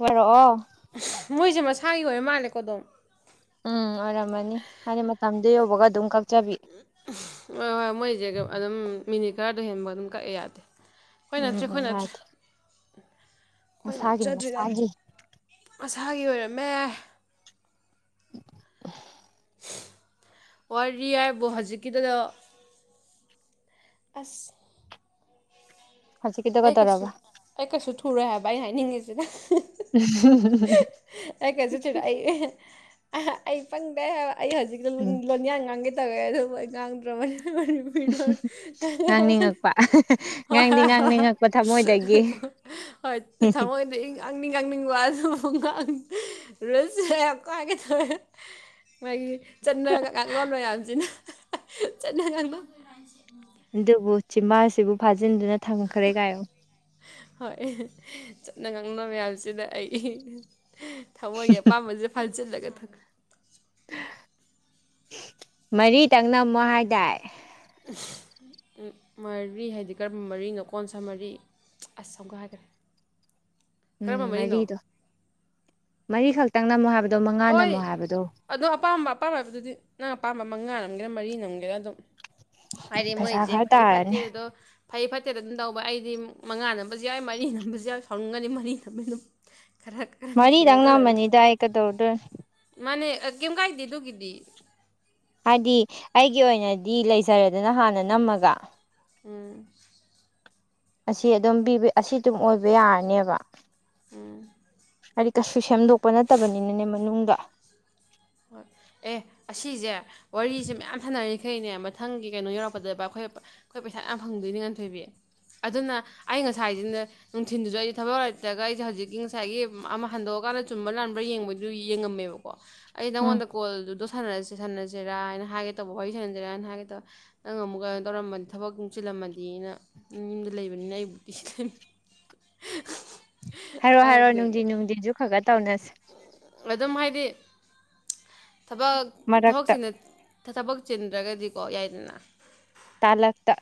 ꯑꯣꯏꯔꯛꯑꯣ ꯃꯣꯏꯁꯦ ꯃꯁꯥꯒꯤ ꯑꯣꯏ ꯃꯥꯜꯂꯦꯀꯣ ꯑꯗꯨꯣꯝ ꯎꯝ ꯑꯔꯝꯅꯤꯅꯤ ꯍꯥꯏ ꯃ ꯍꯣꯏ ꯍꯣꯏ ꯃꯣꯏꯁꯦ ꯑꯗꯨꯝ ꯃꯤꯅꯤꯀꯔꯗꯣ ꯍꯦꯟꯕ ꯑꯗꯨꯝ ꯀꯛꯑꯦ ꯌꯥꯗꯦ ꯑꯩꯈꯣꯏ ꯅꯠꯇ꯭ꯔꯦ ꯑꯩꯈꯣꯏ ꯅꯠꯇ꯭ꯔꯦ ꯎ ꯃꯁꯅꯤ ꯃꯁꯒꯤꯦ ꯑꯁꯥꯒꯤ ꯑꯣꯏꯔꯝꯃꯦ ꯋꯥꯔꯤ ꯍꯥꯏꯕꯨ ꯍꯧꯖꯤꯛꯀꯤꯗꯨꯗ ꯑꯁ ꯍꯧꯖꯤ ꯀꯗꯒ ꯗꯔꯕꯥ ꯁꯨꯔꯦ ꯍꯥꯏꯕ ꯑꯩꯅ ꯍꯥꯏꯅꯤꯡꯉꯤꯁꯤꯒ ꯀꯩꯁꯨ ꯊꯨꯔꯣꯏ ꯑꯩ [unintelligible] ꯑꯩ ꯐꯪꯗ ꯑꯩ ꯍꯧꯖꯤꯛ ꯎꯝ ꯂꯣꯟꯌꯥꯡ ꯉꯥꯡꯒꯦ ꯇꯧꯒꯩ ꯑꯗꯨꯕꯨ ꯑꯩ ꯉꯥꯡꯗ꯭ꯔꯕꯅꯤꯅ ꯉꯥꯡꯅꯤꯡꯉꯛꯄ ꯍꯣꯏ ꯉꯥꯡꯗꯤ ꯍꯣꯏ ꯉꯥꯡꯅꯤꯡꯉꯛꯄ ꯊꯃꯣꯏꯗꯒꯤ ꯍꯣꯏ ꯊꯃꯣꯏꯗ ꯀꯪꯅꯤꯡꯕꯁꯨ ꯔꯨꯁꯁ ꯌꯥꯝ ꯀꯥꯏꯒꯦ ꯇꯧꯋꯦ ꯃꯥꯒꯤ ꯆꯠꯅꯔꯒ ꯀꯥꯡꯂꯣꯟ ꯃꯌꯥꯝꯁꯤꯅ ꯆꯠꯅ ꯌꯥꯪꯗ ꯑꯗꯨꯕꯨ ꯆꯤꯃꯥꯁꯤꯕꯨ ꯐꯥꯖꯤꯟꯗꯨꯅ ꯊꯝꯈ꯭ꯔꯦ ꯀꯥꯏꯣ ꯍꯣꯏ ꯆꯠꯅ ꯉꯪꯅꯕ ꯃꯌꯥꯝꯁꯤꯗ ꯑꯩ ꯊꯃꯣꯏꯒꯤ ꯑꯄꯥꯝꯕꯁꯦ ꯐꯥꯆꯜꯂꯒ ꯊ ꯃꯔꯤꯇꯪꯅꯝꯃꯣ ꯍꯥꯏꯗꯥ ꯃꯔꯤ ꯍꯥꯏꯗꯤ ꯀꯔꯝꯕ ꯃꯔꯤꯅꯣ ꯀꯣꯟ ꯁꯥ ꯃꯔꯤ ꯑꯁ ꯑꯃꯨꯛꯀ ꯍꯥꯏꯈ꯭ꯔꯦ ꯀꯔꯝꯕ ꯎꯝ ꯃꯔꯤꯅꯣ ꯃꯔꯤꯗ ꯃꯔꯤꯈꯛ ꯇꯪꯅ ꯃꯣꯥ ꯍꯣꯏ ꯑꯣ ꯑꯄꯥꯝꯕ ꯑꯄꯥꯝꯕ ꯍꯥꯏꯕꯗꯨꯗꯤ ꯅꯪ ꯑꯄꯥꯝꯕ ꯃꯉꯥ ꯅꯝꯒꯦꯔꯥ ꯃꯔꯤ ꯅꯝꯒꯦꯔꯥ ꯑꯗꯨꯝ ꯐꯗꯤ ꯄꯩꯁꯥ ꯃꯣꯏꯁꯦ ꯈꯔ ꯐꯩ ꯐꯠꯇꯦ ꯇꯥꯔꯅꯤ ꯑꯗꯣ ꯐꯩ ꯐꯠꯇꯦ ꯑꯇꯦꯠ ꯑꯗꯨꯝ ꯇꯧꯕ ꯑꯩꯗꯤ ꯃꯉꯥ ꯅꯝꯕꯁꯨ ꯌꯥꯎꯏ ꯃꯔꯤ ꯅꯝꯕꯁꯨ ꯌꯥꯎꯏ ꯁꯥꯎꯅꯤꯡꯒꯅꯤ ꯃꯔꯤ ꯅꯝꯕꯕꯤ ꯑꯗꯨꯝ ꯈꯔ ꯈꯔ ꯀꯩꯅꯣ ꯃꯔꯤꯗꯪ ꯇꯧꯔ ꯑꯗꯨꯝ ꯅꯝꯃꯅꯤ ꯗꯥꯏ ꯀꯩꯗꯧꯗꯣꯏ ꯃꯥꯅꯦ ꯀꯩꯝ ꯀꯥꯏꯗꯦ ꯑꯗꯨꯒꯤꯗꯤ ꯍꯥꯏꯗꯤ ꯑꯩꯒꯤ ꯑꯣꯏꯅꯗꯤ ꯂꯩꯖꯔꯦꯗꯅ ꯍꯥꯟꯅ ꯅꯝꯃꯒ ꯎꯝ ꯑꯁꯤ ꯑꯗꯨꯝ ꯑꯁꯤ ꯑꯗꯨꯝ ꯑꯣꯏꯕ ꯌꯥꯔꯅꯦꯕ ꯎꯝ ꯍꯥꯏꯗꯤ ꯀꯩꯁꯨ ꯁꯦꯝꯗꯣꯛꯄ ꯅꯠꯇꯕꯅꯤꯅꯅꯦ ꯃꯅꯨꯡꯗ ꯍꯣꯏ ꯑꯦ ꯑꯁꯤꯁꯦ ꯋꯥꯔꯤꯁꯦ ꯃꯌꯥꯝ ꯊꯅꯔꯤ ꯑꯩꯈꯩꯅꯦ ꯃꯊꯪꯒꯤ ꯀꯩꯅꯣ ꯌꯧꯔꯛꯄꯗꯕ ꯑꯩꯈꯣꯏ ꯑꯩꯈꯣꯏ ꯄꯩꯁꯥ ꯌꯥꯝ ꯐꯪꯗꯣꯏꯅꯤ ꯉꯥꯟꯊꯣꯏꯕꯤ ꯑꯗꯨꯅ ꯑꯩ ꯉꯁꯥꯏꯁꯤꯅ ꯅꯨꯡꯊꯤꯤꯟꯗꯨꯁꯨ ꯑꯩꯁꯦ ꯊꯕꯛ ꯌꯧꯔꯛꯇ꯭ꯔꯒ ꯑꯩꯁꯦ ꯍꯧꯖꯤꯛꯀꯤ ꯉꯁꯥꯏꯒꯤ ꯑꯃ ꯍꯟꯗꯣꯛꯑꯀꯥꯟꯗ ꯆꯨꯝꯕ ꯂꯥꯟꯕ꯭ꯔꯥ ꯌꯦꯡꯕꯩꯗꯨ ꯌꯦꯡꯉꯝꯃꯦꯕꯀꯣ ꯑꯩ ꯎꯝ ꯅꯪꯉꯣꯟꯗ ꯀꯣꯜꯗꯨ ꯔꯁꯦ ꯁꯥꯟꯅꯁꯤꯔ ꯍꯥꯏꯅ ꯍꯥꯏꯒꯦ ꯇꯧꯕ ꯋꯥꯔꯤ ꯁꯥꯟꯅꯁꯦꯔꯥꯅ ꯍꯥꯏꯒꯦ ꯇꯧꯕ ꯅꯪ ꯑꯃꯨꯛ ꯀꯩꯅꯣ ꯇꯧꯔꯝꯃꯗꯤ ꯊꯕꯛ ꯅꯨꯡꯁꯤꯤꯜꯂꯝꯃꯗꯤꯅ ꯌꯨꯝꯗ ꯂꯩꯕꯅꯤꯅ ꯑꯩꯕꯨꯗꯤꯤ ꯍꯥꯏꯔꯣ ꯍꯥꯏꯔꯣ ꯅꯨꯡꯗꯤ ꯅꯨꯡꯗꯤꯖ ꯈꯒ ꯇꯧꯅꯁꯤ ꯑꯗꯨꯝ ꯍꯥꯏꯗꯤ ꯊꯕꯛ ꯃꯔꯛꯇ ꯊꯕꯛꯁꯤꯅ ꯊꯕꯛ ꯆꯤꯟꯗ꯭ꯔꯒꯗꯤꯀꯣ ꯌꯥꯏꯗꯅ ꯇꯂꯇ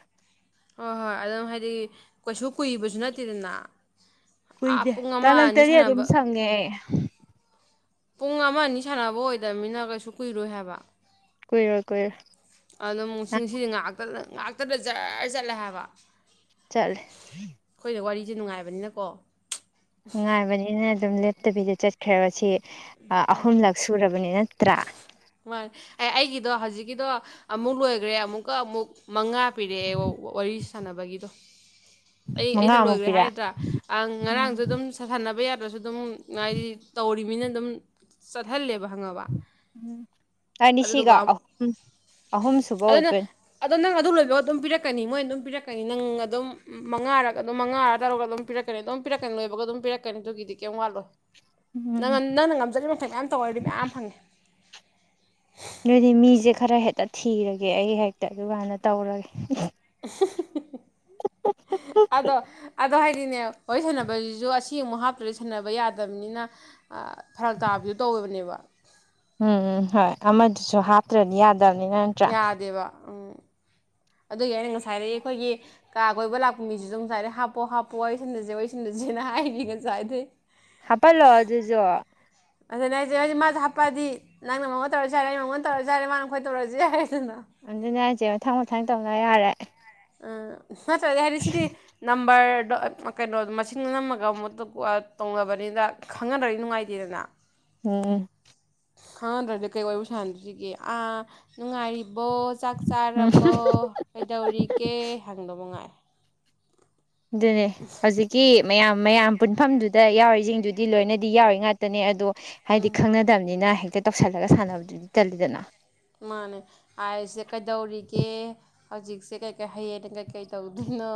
ꯍꯣꯏ ꯍꯣꯏ ꯑꯗꯨꯝ ꯍꯥꯏꯗꯤ ꯀꯩꯁꯨ ꯀꯨꯏꯕꯁꯨ ꯅꯠꯇꯦꯗꯅ ꯑꯥ ꯀꯨꯏꯗꯦ ꯄꯨꯡ ꯑꯃ ꯑꯅꯤ ꯇꯥꯂꯛꯇꯗꯤ ꯑꯗꯨꯝ ꯁꯥꯟꯅꯕ ꯁꯪꯉꯦ ꯄꯨꯡ ꯑꯃ ꯑꯅꯤ ꯁꯥꯟꯅꯕ ꯑꯣꯏꯗꯕꯅꯤꯅ ꯀꯩꯁꯨ ꯀꯨꯏꯔꯣꯏ ꯍꯥꯏꯕ ꯀꯣꯏꯔ ꯀꯣꯏ ꯉꯥꯛꯇꯅ ꯖꯔ ꯆꯠꯂꯦ ꯍꯥꯏꯕ ꯆꯠ ꯑ ꯋꯥꯔꯤꯁꯦ ꯅꯨꯡꯉꯥꯏꯕꯅꯤꯅꯀꯣ ꯉꯅꯨꯡꯥꯏꯕꯅꯤ ꯑꯗꯨꯝ ꯂꯦꯞꯇꯕꯤꯗ ꯆꯠꯈ꯭ꯔꯦꯕ ꯁꯤ ꯑꯍꯨꯝꯂꯛ ꯁꯨꯔꯕꯅꯤ ꯅꯠꯇ꯭ꯔꯥ ꯑꯦ ꯑꯩꯒꯤꯗꯣ ꯍꯧꯖꯤꯛꯀꯤꯗꯣ ꯑꯃꯨꯛ ꯂꯣꯏꯈ꯭ꯔꯦ ꯑꯃꯨꯛꯀ ꯑꯃꯨꯛ ꯃꯉꯥ ꯄꯤꯔꯛꯑꯦ ꯋꯥꯔꯤ ꯁꯥꯟꯅꯕꯒꯤꯗꯣ ꯑꯩ ꯑꯩꯅ ꯂꯣꯏꯈ꯭ꯔꯦ ꯃꯉꯥꯃꯨꯛꯀꯤꯔ ꯍꯥꯏꯒꯗ꯭ꯔꯥ ꯉꯔꯥꯡꯁꯨ ꯎꯝ ꯑꯗꯨꯝ ꯁꯥꯊꯅꯕ ꯌꯥ ꯑꯗꯨꯝ ꯉꯗꯤ ꯇꯧꯅꯤꯅ ꯑꯗꯨꯝ ꯁꯍꯜ ꯎꯝ ꯑꯅꯤꯁꯤꯒ ꯑꯗꯨꯗꯨꯒ ꯑꯍꯨꯝ ꯑꯍꯨꯝ ꯁꯨꯕ ꯑꯗꯨꯅ ꯑꯣꯏꯗꯣꯏꯅꯤ ꯑꯗꯣ ꯅꯪ ꯑꯗꯨ ꯂꯣꯏꯕꯒ ꯑꯗꯨꯝ ꯄꯤꯔꯛꯀꯅꯤ ꯃꯣꯏ ꯑꯗꯨꯝ ꯄꯤꯔꯛꯀꯅꯤ ꯅꯪ ꯑꯗꯨꯝ ꯃꯉꯥꯔꯒ ꯑꯗꯨꯝ ꯃꯉꯥ ꯑꯔꯥ ꯇꯧꯔꯒ ꯑꯗꯨꯝ ꯄꯤꯔꯛꯀꯅꯤ ꯑꯗꯨꯝ ꯄꯤꯔꯛꯀꯅꯤ ꯂꯣꯏꯕꯒ ꯑꯗꯨꯝ ꯄꯤꯔꯛꯀꯅꯤ ꯑꯗꯨꯒꯤꯗꯤ ꯀꯩꯝ ꯋꯥꯠꯂꯣꯏ ꯅꯪꯅ ꯎꯝ ꯅꯪꯅ ꯉꯝꯖꯔꯤꯕ ꯃꯊꯛ ꯃꯌꯥꯝ ꯇꯧꯋꯔꯗꯤ ꯃꯌꯥꯝ ꯐꯪꯉꯦ ꯑꯗꯨꯗꯤ ꯃꯤꯁꯦ ꯈꯔ ꯍꯦꯛꯇ ꯊꯤꯔꯒꯦ ꯑꯩ ꯍꯦꯛꯇ ꯑꯗꯨꯃꯥꯏꯥꯟꯅ ꯇꯧꯔꯒꯦ [inaudible] ꯑꯗꯣ [inaudible] ꯑꯗꯣ ꯍꯥꯏꯗꯤꯅꯦ ꯍꯣꯏ ꯁꯥꯟꯅꯕꯁꯤꯁꯨ ꯑꯁꯤ ꯑꯃꯨꯛ ꯍꯥꯞꯇ꯭ꯔꯗꯤ ꯁꯥꯟꯅꯕ ꯌꯥꯗꯕꯅꯤꯅ ꯐꯔꯛ ꯇꯥꯕꯤꯗꯣ ꯇꯧꯋꯦꯕꯅꯦꯕ ꯎꯝ ꯎꯝ ꯍꯣꯏ ꯑꯃꯗꯨꯁꯨ ꯍꯥꯞꯇ꯭ꯔꯗꯤ ꯌꯥꯗ ꯌꯥꯗꯦ ꯋꯥ ꯎꯝ ꯑꯗꯨꯒꯤ ꯑꯩꯅ ꯉꯁꯥꯏꯗꯒꯤꯩ ꯑꯩꯈꯣꯏꯒꯤ ꯀꯥ ꯀꯣꯏꯕ ꯂꯥꯛꯄ ꯃꯤꯁꯤꯁꯨ ꯉꯁꯥꯏꯗꯩ ꯍꯥꯞꯄꯣ ꯍꯥꯞꯄꯣ ꯋꯥꯔꯤꯁꯤꯟꯗꯁꯦ ꯋꯥꯔꯤ ꯁꯤꯟꯗꯁꯦꯅ ꯍꯥꯏꯔꯤ ꯉꯁꯥꯏꯗꯒꯤꯩ ꯍꯥꯄꯜꯂꯣ ꯑꯗꯨꯁꯨꯣ ꯑꯗꯨꯗ ꯅ ꯑꯩꯁꯦ ꯅꯣꯏꯦ ꯃꯥꯁꯦ ꯍꯥꯄꯛꯑꯗꯤ ꯅꯪꯅꯉꯣꯟ ꯇꯧꯔꯁꯨ ꯌꯥꯔꯦ ꯅ ꯃꯉꯣꯟꯗꯧꯔꯁꯨ ꯌꯥꯔꯦ ꯃꯥꯅ ꯑꯩꯈꯣꯏ ꯇꯧꯔꯁꯨ ꯌꯥꯔꯦ ꯑꯗꯨꯅ ꯍꯥꯏꯁꯦ ꯃ ꯊꯪ ꯃꯊ ꯊꯪ ꯇꯧ ꯌꯥꯔꯦ ꯑ ꯅꯠꯇ꯭ꯔ ꯑꯗ ꯍꯥꯏꯗꯤ ꯁꯤꯗꯤ ꯅꯝꯕꯔ ꯑꯗꯣ ꯀꯩꯅꯣꯗꯣ ꯃꯁꯤꯡ ꯅꯝꯃꯒ ꯑꯃꯨ ꯇꯧꯅꯕꯅꯤꯅ ꯈꯪꯅꯗꯗꯤ ꯅꯨꯡꯉꯥꯏꯇꯦꯗꯅ ꯎꯝ ꯈꯪꯍꯟꯗ꯭ꯔꯗꯤ ꯀꯩ ꯑꯣꯏꯔ ꯁꯥꯥꯟꯁꯤꯒꯦ ꯑꯥ ꯅꯨꯡꯉꯥꯏꯔꯤꯕ ꯕꯣ ꯆꯥꯛ ꯎꯝ ꯆꯥꯔꯕꯣ ꯀꯩꯗꯧꯔꯤ ꯑꯦ ꯍꯪꯕ ꯃꯉꯥꯏ ꯑꯗꯨꯅꯦ ꯍꯧꯖꯤꯛꯀꯤ ꯃꯌꯥꯝ ꯃꯌꯥꯝ ꯄꯨꯟꯐꯝꯗꯨꯗ ꯌꯥꯎꯔꯤꯁꯤꯡꯗꯨꯗꯤ ꯂꯣꯏꯅꯗꯤ ꯌꯥꯎꯔꯤ ꯉꯥꯛꯇꯅꯦ ꯑꯗꯣ ꯍꯥꯏꯗꯤ ꯈꯪꯅꯗꯕꯅꯤꯅ ꯍ ꯇꯧꯁꯤꯜꯂꯒ ꯁꯥꯟꯅꯕꯗꯨꯗꯤ ꯆꯗꯅ ꯃꯥꯅꯦ ꯑꯁꯦ ꯀꯩꯗꯧꯔꯤꯒꯦ ꯍꯧꯖꯤꯛꯁꯦ ꯀꯩꯀꯩ ꯍꯌꯦꯡ ꯀꯩꯀꯩ ꯇꯧꯗꯣꯏꯅꯣ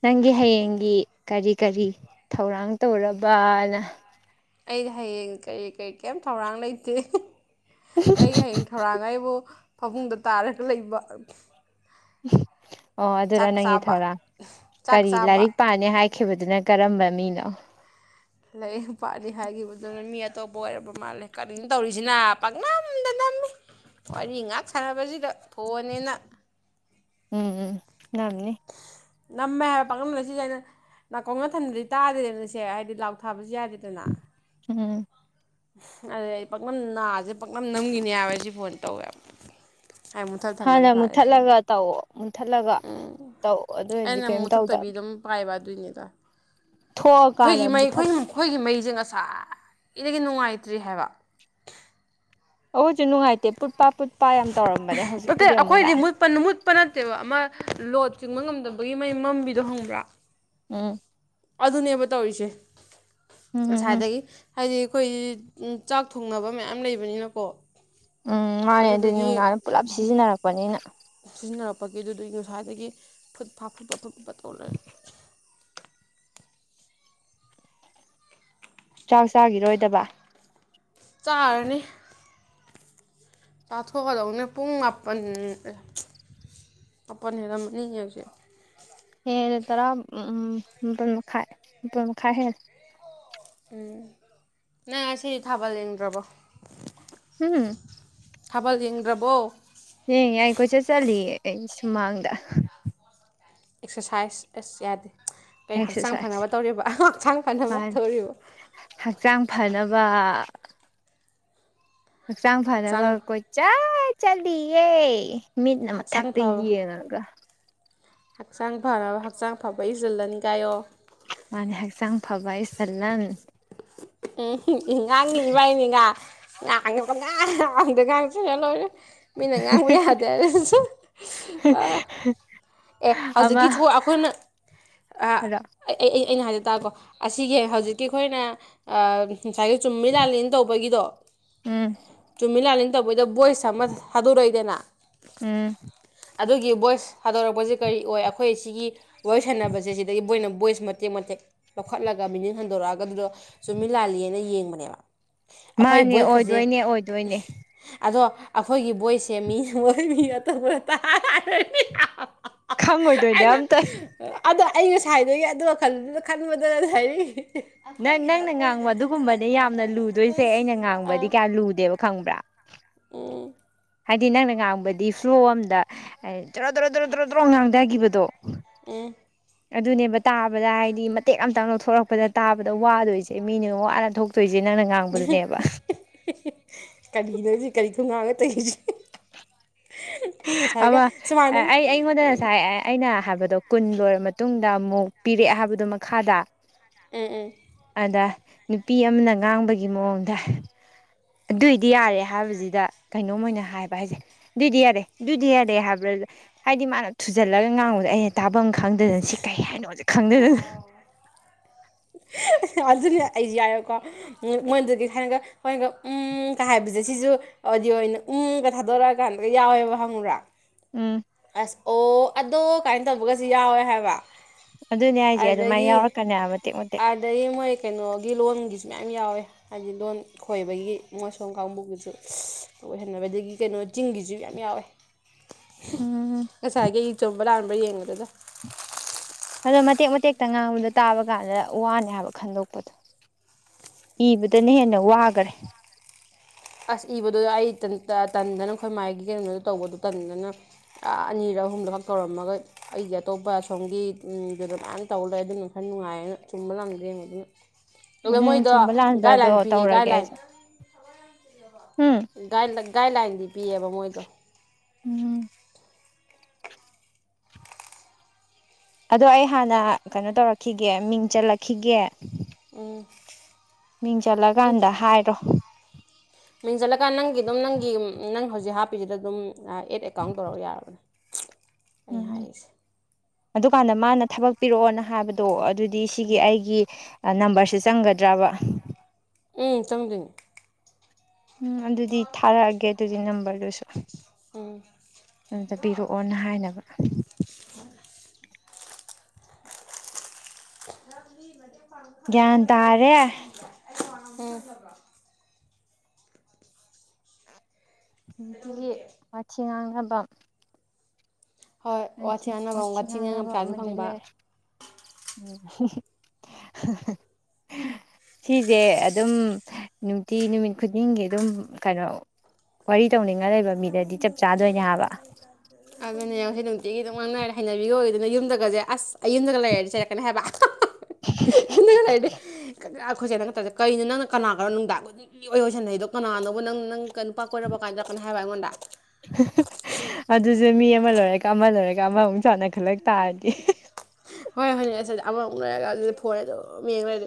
ꯅꯪꯒꯤ ꯍꯌꯦꯡꯒꯤ ꯀꯔꯤ ꯀꯔꯤ ꯊꯧꯔꯥꯡ ꯇꯧꯔꯕꯅ ꯑꯩꯗꯤ ꯍꯌꯦꯡ ꯀꯔꯤ ꯀꯔꯤ ꯀꯔꯤꯝ ꯊꯧꯔꯥꯡ ꯂꯩꯇꯦ ꯑꯩꯒꯤ ꯍꯌꯦꯡ ꯊꯧꯔꯥꯡꯈ ꯑꯩꯕꯨ ꯐꯃꯨꯡꯗ ꯇꯥꯔꯒ ꯂꯩꯕ ꯑꯣ ꯑꯗꯨꯅ ꯆꯥꯛ ꯅꯪꯒꯤ ꯆꯥꯕ ꯊꯧꯔꯥꯡ ꯆꯥꯛ ꯀꯔꯤ ꯆꯥꯕ ꯂꯥꯏꯔꯤꯛ ꯄꯥꯅꯤ ꯍꯥꯏ ꯆꯈꯤꯕꯗꯨꯅ ꯀꯔꯝꯕ ꯃꯤꯅꯣ ꯂꯩ ꯄꯥꯠꯅꯤ ꯍꯥꯏꯈꯤꯕꯗꯨꯅ ꯃꯤ ꯑꯇꯣꯞꯄ ꯑꯣꯏꯔꯕ ꯃꯥꯜꯂꯦ ꯀꯔꯤꯡ ꯇꯧꯔꯤꯁꯤꯅ ꯄꯥꯛꯅꯝꯗ ꯅꯝꯃꯤ ꯋꯥꯔꯤ ꯉꯥꯛ ꯁꯥꯟꯅꯕꯁꯤꯗ ꯊꯣꯅꯦꯅ ꯎꯝ ꯎꯝ ꯌꯥꯝꯅꯤ ꯅꯝꯃꯦ ꯍꯥꯏꯕ ꯄꯥꯛꯂꯝꯝꯅ ꯁꯤꯁꯦ ꯑꯩꯅ ꯅꯥꯀꯣꯡꯅ ꯊꯟꯕꯗꯤ ꯇꯥꯗ꯭ꯔꯦꯅꯁꯦ ꯍꯥꯏꯗꯤ ꯂꯥꯎ ꯊꯥꯕꯁꯨ ꯌꯥꯗꯦ ꯑꯗꯨꯅ ꯎꯝ ꯑꯗꯨꯗ ꯑꯩ ꯄꯥꯛꯅꯝ ꯅꯥꯁꯦ ꯄꯥꯛꯅꯝ ꯅꯝꯈꯤꯅꯦ ꯍꯥꯏꯕ ꯍꯥꯏꯁ ꯐꯣꯟ ꯇꯧꯋꯦꯕ ꯑꯩ ꯃꯨꯠꯊꯠ ꯊꯝꯃꯗꯤ ꯍꯥꯟꯅ ꯐꯔꯦ ꯁꯤꯅꯦ ꯃꯨꯠꯊꯠꯂꯒ ꯇꯧꯑꯣ ꯃꯨꯠꯊꯠꯂꯒ ꯇꯧꯑꯣ ꯑꯗꯨ ꯑꯣꯏꯔꯗꯤ ꯀꯔꯤꯝ ꯇꯧꯗ ꯨꯅꯤꯗ ꯑꯩꯈꯣꯏꯒꯤ ꯃꯩ ꯃꯨꯠꯊꯠ ꯑꯩꯈꯣꯏꯣꯏꯒꯤ ꯃꯩ ꯁꯥ ꯀꯒꯤ ꯅꯨꯡꯉꯥꯏꯇ꯭ꯔꯤ ꯍꯥꯏꯕ ꯍꯧꯧꯖꯨꯅ ꯍꯥꯏꯥꯏꯦ ꯄꯨ ꯑꯇꯩ ꯑꯩꯈꯣꯏꯗꯤ ꯂꯥꯛꯑꯦ ꯃꯨꯠꯄ ꯃꯨꯠꯄ ꯅꯠꯇꯦꯕ ꯑꯃ ꯂꯣꯠ ꯆꯤꯡꯕ ꯉꯝꯗꯕꯒꯤ ꯃ ꯃꯝꯕꯤꯗꯣ ꯍꯪꯕ꯭ꯔꯥ ꯎꯝ ꯑꯗꯨꯅꯦꯕ ꯇꯧꯔꯤꯁꯦ ꯎꯝ ꯎꯝ ꯎꯝ ꯉꯁꯥꯏꯗꯒꯤ ꯍꯥꯏꯗꯤ ꯑꯩꯈꯣꯏ ꯆꯥꯛ ꯊꯣꯡꯅꯕ ꯃꯌꯥꯝ ꯂꯩꯕꯅꯤꯅꯀꯣꯋꯡ ꯎꯝ ꯃꯥꯅꯦ ꯑꯗꯨ ꯅꯨꯡꯗꯥꯡꯅ ꯄꯨꯂꯞ ꯁꯤꯖꯤꯟꯅꯔꯛꯄꯅꯤꯅ ꯍꯥ ꯄꯛꯦꯗꯨꯗ ꯉꯁ꯭ꯋꯥꯏꯗꯒꯤ ꯐꯨꯠ ꯐꯐꯨꯠꯄ ꯐꯨꯕ ꯇꯧꯔꯒꯦ ꯆꯥꯛ ꯆꯥꯈꯤꯔꯣꯏꯗꯕ ꯆꯥꯔꯅꯤ ꯇꯥꯊꯣꯛꯀꯗꯧꯅꯦ ꯄꯨꯡ ꯃꯥꯄꯜꯨꯡ ꯃꯥꯄꯜ ꯍꯥꯏꯔꯝꯃꯅꯤ ꯍꯧꯁꯛ ꯍꯦꯦ ꯇꯔꯥ ꯎꯝꯥꯏ ꯈꯥꯏ ꯍꯦ ꯎꯝ ꯅꯪ ꯉꯁꯤꯁꯨ ꯊꯥꯕ ꯂꯦꯡꯗ꯭ꯔꯕꯣ ꯎꯝ ꯊꯥꯕꯜ ꯌꯦꯡꯗ꯭ꯔꯕꯣ ꯍ ꯌꯥꯏ ꯀꯣꯏꯆꯠ ꯆꯠꯂꯤꯌꯦ ꯑꯩ ꯁꯨꯃꯥꯡꯗ ꯑꯦꯛꯁꯔꯁꯥꯏꯁ ꯑꯁ ꯌꯥꯗꯦ ꯀꯩ ꯍꯛꯆꯥꯡ ꯑꯦꯛꯁꯔꯁꯥꯏꯁ ꯐꯅꯕ ꯇꯧꯔꯤꯕ ꯍꯛꯆꯥꯡ ꯐꯅꯕ ꯃꯥꯅꯦ ꯇꯧꯔꯤꯕ ꯋꯥ ꯍꯛꯆꯥꯡ ꯐꯔꯅꯕ ꯀꯣꯏꯆꯠ ꯆꯂꯤꯌꯦ ꯃꯤꯠꯅ ꯍꯛꯆꯥꯡ ꯃꯊꯛꯇ ꯐꯕ ꯌꯦꯡꯉꯒ ꯍꯛꯆꯥꯡ ꯐꯅꯕ ꯍꯛꯆꯥꯡ ꯐꯕ ꯏꯁꯤꯜꯂꯅꯤ ꯀꯥꯏꯌꯣ ꯃꯥꯅꯦ ꯍꯛꯆꯥꯡ ꯐꯕ ꯏꯁ ꯁꯂꯟ ꯑ ꯎ ꯉꯥꯡꯅꯤ ꯏꯕꯥꯅꯤꯅ ꯌꯥꯉꯗ ꯀꯅ ꯃꯤꯅ ꯉꯥꯡꯕ ꯌꯥꯗꯦ ꯑꯗꯨ ꯑꯦ ꯑꯃ ꯍꯧꯖꯤꯛꯀꯤ ꯊꯣꯛ ꯑꯩꯈꯣꯏꯅ ꯍꯥꯏꯔꯣ ꯑꯩ ꯑꯩꯅ ꯍꯥꯏꯖ ꯇꯣ ꯑꯁꯤꯒꯤ ꯍꯧꯖꯤꯛꯀꯤ ꯑꯩꯈꯣꯏꯅ ꯑ ꯉꯁꯥꯏꯒꯤ ꯆꯨꯝꯃꯤ ꯂꯥꯜꯂꯤꯟ ꯇꯧꯕꯒꯤꯗꯣ ꯎꯝ ꯆꯨꯝꯃꯤ ꯂꯥꯂꯟ ꯃꯣꯏꯗ ꯕꯣꯏꯁ ꯑꯃ ꯊꯥꯗꯣꯔꯛꯏꯗꯅ ꯎꯝ ꯑꯗꯨꯒꯤ ꯚꯣꯏꯁ ꯊꯗꯣꯔꯛꯄꯁꯦ ꯀꯔꯤ ꯑꯣꯏ ꯑꯩꯈꯣꯏ ꯁꯤꯒꯤ ꯋꯥꯔꯤ ꯁꯥꯟꯅꯕꯁꯦ ꯁꯤꯗꯒꯤ ꯃꯣꯏꯅ ꯚꯣꯏꯁ ꯃꯇꯦꯛ ꯃꯇꯦꯛ ꯂꯧꯈꯠꯂꯒ ꯃꯤꯅꯤ ꯍꯟꯗꯣꯔꯛꯑꯒꯗꯨꯗꯣ ꯆꯨꯝꯃꯤ ꯂꯥꯜꯂꯤꯑꯅ ꯌꯦꯡꯕꯅꯦꯕ ꯑꯩꯈꯣꯏ ꯃꯥꯅꯦ ꯚꯣꯏꯁꯀꯁꯦ ꯑꯣꯏꯗꯣꯏꯅꯦ ꯑꯣꯏꯗꯣꯏꯅꯦ ꯑꯗꯣ ꯑꯩꯈꯣꯏꯒꯤ ꯕꯣꯏꯁꯦ ꯃꯤ ꯃꯣꯏ ꯃꯤꯇ ꯈꯪꯉꯣꯏꯗꯣꯏꯅꯦ ꯑꯝꯇ ꯑꯗꯣ ꯑꯩ ꯉꯁꯥꯏꯗꯒꯤ ꯑꯗꯨ ꯋꯥꯈꯜꯗꯨꯅ ꯈꯟꯕꯗꯅ ꯍꯥꯏꯔꯤꯛꯏ ꯅꯪ ꯅꯪꯅ ꯑꯩꯈꯣꯏꯒꯤꯗꯣ ꯉꯥꯡꯕ ꯑꯗꯨꯒꯨꯝꯕꯅꯦ ꯌꯥꯝꯅ ꯂꯨꯗꯣꯏꯁꯦ ꯑꯩꯅ ꯉꯥꯡꯕꯗꯤ ꯑꯥ ꯀꯌꯥ ꯂꯨꯗꯦꯕ ꯈꯪꯕ꯭ꯔꯥ ꯎꯝ ꯍꯥꯏꯗꯤ ꯅꯪꯅ ꯉꯥꯡꯕꯗꯤ ꯐ꯭ꯂꯣ ꯑꯝꯗ ꯍꯥꯏ ꯇꯔꯣ ꯇꯔꯣ ꯇꯔꯣ ꯇꯔꯣ ꯇꯔꯣ ꯉꯥꯡꯊꯈꯤꯕꯗꯣ ꯎꯝ ꯑꯗꯨꯅꯦꯕ ꯇꯥꯕꯗ ꯍꯥꯏꯗꯤ ꯃꯇꯦꯛ ꯑꯃꯇꯪ ꯂꯧꯊꯣꯔꯛꯄꯗ ꯇꯥꯕꯗ ꯋꯥꯗꯣꯏꯁꯦ ꯃꯤꯅ ꯋꯥꯅ ꯊꯣꯛꯇꯣꯏꯁꯦ ꯅꯪꯅ ꯉꯥꯡꯕꯗꯨꯅꯦꯕ ꯀꯔꯤꯗ ꯀꯔꯤ ꯊꯨꯉꯥꯒ ꯇꯩꯈꯤꯁꯦ ꯑꯃ ꯑꯩ ꯑꯩꯉꯣꯟꯗ ꯉꯁꯥꯏ ꯑꯩꯅ ꯍꯥꯏꯕꯗꯣ ꯀꯨꯟ ꯂꯣꯏꯔꯕ ꯃꯇꯨꯡꯗ ꯑꯃꯨꯛ ꯄꯤꯔꯛꯑꯦ ꯍꯥꯏꯕꯗꯨ ꯃꯈꯥꯗ ꯎꯝ ꯎꯝ ꯑꯗ ꯅꯨꯄꯤ ꯑꯃꯅ ꯉꯥꯡꯕꯒꯤ ꯃꯑꯣꯡꯗ ꯑꯗꯨꯏꯗꯤ ꯌꯥꯔꯦ ꯍꯥꯏꯕꯁꯤꯗ ꯀꯩꯅꯣꯝ ꯑꯣꯏꯅ ꯍꯥꯏꯕ ꯍꯥꯏꯁꯦ ꯑꯗꯨꯏꯗꯤ ꯌꯥꯔꯦ ꯑꯗꯨꯗꯤ ꯌꯥꯔꯦ ꯍꯥꯏꯕ꯭ꯔꯥ ꯍꯥꯏꯗꯤ ꯃꯥꯅ ꯊꯨꯖꯜꯂꯒ ꯉꯥꯡꯕꯗꯣ ꯑꯩꯅ ꯇꯥꯐꯝ ꯈ ꯈꯪꯗꯗꯅ ꯁꯤ ꯀꯩ ꯍꯥꯏꯅꯣꯖꯤꯛ ꯈꯪꯗꯗꯅ ꯑꯗꯨꯅꯦ ꯑꯩꯁꯨ ꯌꯥꯏꯔꯦꯀꯣ ꯃꯣꯏꯗꯨꯗꯤ ꯊꯥꯏꯅꯒ ꯑꯩꯣꯏꯅꯒ ꯎꯪꯀ ꯍꯥꯏꯕꯁꯦ ꯁꯤꯁꯨ ꯑꯣꯗꯤꯑꯣ ꯑꯣꯏꯅ ꯎꯪꯀ ꯊꯥꯗꯣꯔꯛꯑꯀꯥꯟꯗꯒ ꯌꯥꯎꯋꯦꯕ ꯍꯪꯉꯨꯔꯥ ꯎꯝ ꯑꯁ ꯑꯣ ꯑꯗꯣ ꯀꯥꯏꯅ ꯇꯧꯕꯒꯁꯨ ꯌꯥꯎꯋꯦ ꯍꯥꯏꯕ ꯑꯗꯨꯅꯦ ꯍꯥꯏꯁꯦ ꯑꯗꯨꯃꯥꯏꯅ ꯑꯗꯒꯤ ꯌꯥꯎꯔꯛꯀꯅꯤ ꯃꯇꯦꯛ ꯃꯇꯦꯛ ꯑꯗꯒꯤ ꯃꯣꯏ ꯀꯩꯅꯣꯒꯤ ꯂꯣꯟꯒꯤꯁꯨ ꯃꯌꯥꯝ ꯌꯥꯎꯋꯦ ꯍꯥꯏꯕꯗꯤ ꯂꯣꯟ ꯈꯣꯏꯕꯒꯤ ꯃꯁꯣꯟ ꯀꯥꯡꯕꯨꯒꯤꯁꯨ ꯑꯣꯏꯍꯟꯅꯕ ꯑꯗꯒꯤ ꯀꯩꯅꯣ ꯆꯤꯡꯒꯤꯁꯨ ꯌꯥꯝ ꯌꯥꯎꯋꯦ ꯎꯝ ꯑꯁ ꯍꯥꯏꯒ ꯏ ꯆꯨꯝꯕ ꯂꯥ ꯌꯦꯡꯉꯨꯔꯦꯗ ꯑꯗꯣ ꯃꯇꯦꯛ ꯃꯇꯦꯛꯇ ꯉꯥꯡꯕꯗ ꯇꯥꯕ ꯀꯥꯟꯗ ꯋꯥꯅꯦ ꯍꯥꯏꯕ ꯈꯟꯗꯣꯛꯄꯗꯣ ꯏꯕꯗꯅ ꯍꯦꯟꯅ ꯋꯥꯈꯔꯦ ꯑꯁ ꯏꯕꯗꯨ ꯑꯩ ꯇꯟꯗꯅ ꯑꯩꯈꯣꯏ ꯃꯥꯏꯒꯤ ꯀꯩꯅꯣꯗ ꯇꯧꯕꯗꯨꯣ ꯇꯟꯗꯅ ꯑꯅꯤꯔꯛ ꯑꯍꯨꯝꯗꯃꯛ ꯇꯧꯔꯝꯃꯒ ꯑꯩꯁꯦ ꯑꯇꯣꯞꯄ ꯁꯣꯝꯒꯤꯗꯨꯗ ꯃꯥꯏꯅ ꯇꯧꯕ ꯂꯩ ꯑꯗꯨꯅ ꯈꯔ ꯅꯨꯡꯉꯥꯏꯌꯦꯅ ꯆꯨꯝꯕ ꯂꯝꯪꯗ ꯌꯦꯡꯕꯗꯨꯅ ꯑꯗꯨꯒ ꯑꯗꯨꯅ ꯃꯣꯏꯗꯣ ꯆꯨꯝꯕ ꯂꯥꯟꯕ꯭ꯔꯥꯗꯣ ꯒꯥꯏꯗꯂꯥꯏꯟ ꯄꯤꯌꯦ ꯇꯧꯔꯒꯦ ꯒꯥꯏꯗꯂꯥꯏꯟ ꯑꯩꯁꯦ ꯎꯝ ꯗꯥꯏ ꯂ ꯒꯥꯏꯗꯂꯥꯏꯟꯗꯤ ꯄꯤꯌꯦꯕ ꯃꯣꯏꯗꯣ ꯎꯝ ꯑꯗꯣ ꯑꯩ ꯍꯥꯟꯅ ꯀꯩꯅꯣ ꯇꯧꯔꯛꯈꯤꯒꯦ ꯃꯤꯡ ꯆꯠꯂꯛꯈꯤꯒꯦ ꯎꯝ ꯃꯤꯡ ꯆꯜꯂꯀꯥꯟꯗ ꯍꯥꯏꯔꯣ ꯃꯤꯡꯁꯤꯜꯂꯀꯥꯟ ꯅꯪꯒꯤ ꯑꯗꯨꯝ ꯅꯪꯒꯤ ꯅꯪ ꯍꯧꯖꯤꯛ ꯍꯥꯞꯄꯤꯁꯤꯗ ꯑꯗꯨꯝ ꯑꯦꯠ ꯑꯦꯀꯥꯎꯟ ꯇꯧꯔ ꯌꯥꯔꯕꯅꯤ ꯎꯝ ꯑꯍꯥꯛꯁꯦ ꯑꯗꯨꯀꯥꯟꯗ ꯃꯥꯅ ꯊꯕꯛ ꯄꯤꯔꯛꯑꯣꯅ ꯍꯥꯏꯕꯗꯣ ꯑꯗꯨꯗꯤ ꯗꯤ ꯁꯤꯒꯤ ꯑꯩꯒꯤ ꯅꯝꯕꯔꯁ ꯆꯪꯒꯗ꯭ꯔꯕ ꯎꯝ ꯆꯝꯗꯅꯤ ꯎꯝ ꯑꯗꯨꯗꯤ ꯊꯥꯔꯛꯑꯒꯦ ꯑꯗꯨꯒꯤ ꯅꯝꯕꯔꯗꯨꯁꯨ ꯎꯝ ꯑꯗꯨꯝꯇ ꯄꯤꯔꯛꯑꯣꯅ ꯍꯥꯏꯅꯕ ꯑ ꯃꯤ ꯃ ꯒ꯭ꯌꯥꯟ ꯇꯥꯔꯦ ꯍ ꯇ ꯋꯥ ꯉꯒ ꯋꯥꯝ ꯍꯣꯏ ꯋꯥꯆꯤ ꯌꯥꯅꯕ ꯋꯥꯊꯤ ꯉꯝ ꯉꯥꯡꯅꯕ ꯀꯌꯥꯥꯁꯨ ꯑꯃꯗꯤ ꯐꯪꯕ ꯂꯩ ꯁꯤꯁꯦ ꯑꯗꯨꯝ ꯅꯨꯡꯇꯤ ꯅꯨꯃꯤꯠ ꯈꯨꯗꯤꯡꯒꯤ ꯑꯗꯨꯝ ꯀꯩꯅꯣ ꯋꯥꯔꯤ ꯇꯧꯅꯤꯡꯉ ꯂꯩꯕ ꯃꯤꯗꯗꯤ ꯆꯞ ꯆꯥꯗꯣꯏꯅꯦ ꯍꯥꯏꯕ ꯑꯗꯨꯅꯦꯡꯁꯦ ꯅꯨꯡꯇꯤꯒꯤ ꯅꯨꯡ ꯉꯥꯡ ꯅꯥꯏꯔꯦ ꯍꯩꯅꯕꯤꯒꯤ ꯑꯣꯏꯗꯅ ꯌꯨꯝꯗꯒꯁꯦ ꯑꯁ ꯑꯩ ꯌꯗꯨꯒ ꯂꯩ ꯍꯥꯏ ꯆꯔꯀꯅ ꯍꯥꯏꯦꯕ ꯌꯒ ꯂꯩ ꯍꯥꯏꯦ ꯑꯩꯈꯣꯏꯁꯦꯅ ꯅꯛꯇꯕꯁ ꯀꯔꯤꯣ ꯅꯪꯅ ꯀꯅꯥꯒꯔꯣ ꯅꯨꯡꯗꯥꯡꯒꯤ ꯑꯣꯏꯣꯏꯁꯟꯍꯩꯗꯣ ꯀꯅꯥꯅꯣ ꯅꯪ ꯅꯪ ꯅꯨꯄꯥ ꯀꯣꯏꯔꯕ ꯀꯥꯏꯅꯗ ꯀꯅ ꯍꯥꯏꯕ ꯑꯩꯉꯣꯟꯗ ꯃꯤ ꯃꯤ ꯑꯃ ꯂꯔ ꯀ ꯑꯃ ꯆꯖꯔꯒ ꯑꯃꯃꯨꯛ ꯆꯅ ꯈꯂ ꯇꯥꯗꯤꯦ ꯍꯣꯏ ꯍꯣꯏꯅꯦ ꯑꯁꯗꯤ ꯑꯃꯃꯨꯛ ꯂꯩꯔꯒ ꯑꯗꯨꯗꯤ ꯐꯣꯟ ꯑꯗꯨꯝ ꯌꯦꯡ ꯂꯩ꯭ꯔꯗꯤ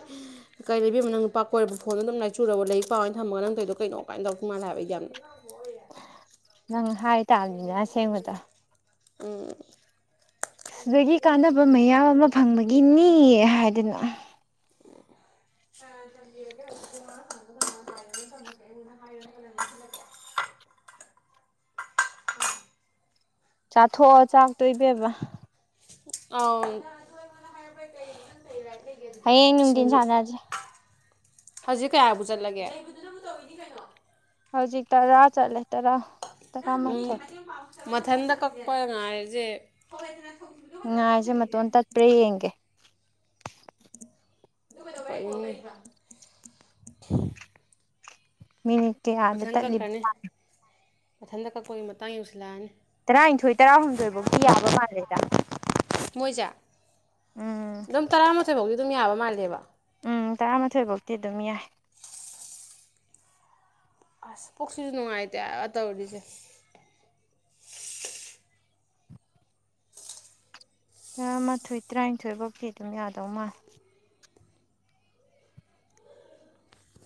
ꯀꯔꯤ ꯂꯩꯕꯤꯝ ꯅꯪ ꯅꯨꯄꯥ ꯀꯣꯏꯔꯕ ꯐꯣꯟꯗꯣ ꯑꯗꯨꯝ ꯂꯥꯏꯆꯨꯔꯕ ꯂꯩꯛ ꯄꯥꯎꯅ ꯊꯝꯃꯒ ꯅꯪ ꯇꯧꯗꯣ ꯀꯩꯅꯣ ꯀꯃꯥꯏꯅ ꯇꯧꯗ ꯃꯥꯜꯂꯦ ꯍꯥꯏꯕ ꯑꯩ ꯌꯥꯝꯅ ꯅꯪ ꯍꯥꯏ ꯇꯜ ꯁꯦꯡꯕꯗ ꯑ ꯁꯋꯒꯤ ꯀꯥꯟꯅꯕ ꯃꯌꯥꯝ ꯑꯃ ꯐꯪꯕꯒꯤꯅꯤ ꯍꯥꯏꯗꯅ ꯑ ꯇ ꯆꯥꯊꯣꯛꯑꯣ ꯆꯥꯛꯇꯣꯕꯕ ꯑ ꯍꯌꯦꯡ ꯅꯨꯡꯗꯤꯟ ꯁꯅꯖꯦ ꯍꯧꯖꯤꯛ ꯀꯌꯥꯕꯨ ꯆꯠꯂꯒꯦ ꯍꯧꯖꯤꯛ ꯇꯔꯥ ꯆꯠꯂꯦ ꯇꯔꯥ ꯇꯔꯥ ꯃꯊꯔ ꯃꯊꯟꯗ ꯀꯛꯄ ꯉꯥꯏꯁꯦ ꯉꯥꯏꯁꯦ ꯃꯇꯣꯟ ꯇꯠꯄ꯭ꯔꯥ ꯌꯦꯡꯒꯦ ꯎ ꯃꯤꯅꯤꯠ ꯀꯦ ꯍꯥꯟꯅ ꯀꯛꯈ꯭ꯔꯅꯤ ꯇꯠꯂꯤꯕ ꯃꯊꯟꯇ ꯀꯛꯀꯣꯏꯒꯤ ꯃꯇꯥꯡ ꯌꯧꯁꯤꯜꯂꯛꯑꯅꯤ ꯇꯔꯥꯅꯤꯊꯣꯏ ꯇꯔꯥꯍꯨꯝꯗꯣꯏ ꯐꯧꯗꯤꯤ ꯌꯥꯕ ꯃꯥꯜꯂꯦꯗ ꯃꯣꯏꯁꯦ ꯎꯝ ꯑꯗꯨꯝ ꯇꯔꯥꯃꯥꯊꯣꯏ ꯐꯥꯎꯗꯤ ꯑꯗꯨꯝ ꯌꯥꯕ ꯃꯥꯜꯂꯦꯕ ꯎꯝ ꯇꯔꯥꯃꯥꯊꯣꯏ ꯐꯧꯗꯤꯤ ꯑꯗꯨꯝ ꯌꯥꯏ ꯑꯁ ꯄꯨꯣꯛꯁꯨꯁꯨ ꯅꯨꯡꯉꯥꯏꯇꯦ ꯇꯧꯔꯤꯁꯦ ꯇꯔꯥꯃꯥꯊꯣꯏ ꯇꯔꯥꯅꯤꯊꯣꯏ ꯐꯥꯎꯗꯤ ꯑꯗꯨꯝ ꯌꯥꯗꯧ ꯃꯥꯜ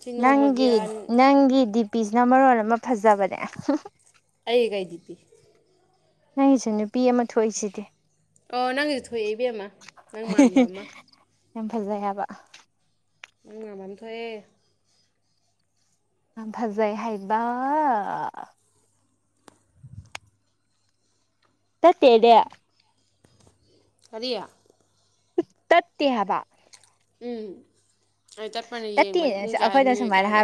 ꯁꯤ ꯅꯣꯡꯃꯒꯤ ꯅꯪꯒꯤꯤ ꯅꯪꯤꯤꯞ ꯄꯤꯤꯁꯅ ꯃꯔꯣꯜ ꯑꯃ ꯐꯖꯕꯅꯦ ꯑꯩꯒꯩꯗꯤ ꯄꯤ ꯅꯪꯒꯤꯁꯨ ꯅꯨꯄꯤ ꯑꯃ ꯊꯣꯛꯏꯁꯤꯗꯤ ꯑꯣ ꯅꯪꯒꯤꯁꯨ ꯊꯣꯛꯑꯦꯏ ꯏꯕꯦꯝꯃ ꯅꯪ ꯃꯥꯟꯕ ꯑꯃ ꯌꯥꯝ ꯐꯖꯩ ꯍꯥꯏꯕ ꯃꯃꯝ ꯊꯑꯌꯦ ꯑ ꯐꯖꯩ ꯍꯥꯏꯕ ꯇ ꯇꯦꯗ ꯑꯗꯌꯥ ꯇꯠꯇ ꯍꯥꯏꯕ ꯎꯝ ꯑꯩ ꯆꯠꯄꯅ ꯌꯦꯡꯕꯗ ꯇꯠꯇꯦꯅ ꯄꯨꯡ ꯀꯌꯥꯗ ꯑꯩꯈꯣꯏꯅ ꯃꯤꯅꯤꯠ ꯁꯨꯃꯥꯏꯅ ꯍꯥꯏꯕ ꯀꯥꯏꯗ